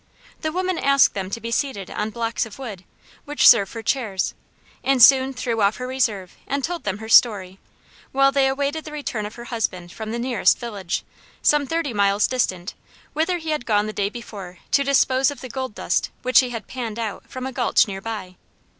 The woman asked them to be seated on blocks of wood, which served for chairs, and soon threw off her reserve and told them her story, while they awaited the return of her husband from the nearest village, some thirty miles distant, whither he had gone the day before to dispose of the gold dust which he had "panned out" from a gulch near by.